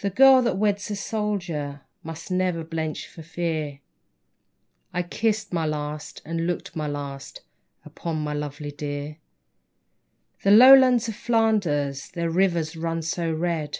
The girl that weds a soldier Must never blench for fear ; I kissed my last and looked my last Upon my lovely dear. THE LOWLANDS OF FLANDERS II The Lowlands of Flanders, Their rivers run so red.